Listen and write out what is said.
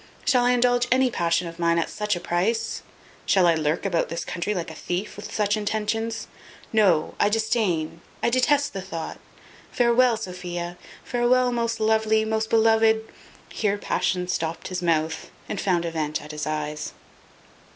Shall I indulge any passion of mine at such a price? Shall I lurk about this country like a thief, with such intentions? No, I disdain, I detest the thought. Farewel, Sophia; farewel, most lovely, most beloved " Here passion stopped his mouth, and found a vent at his eyes.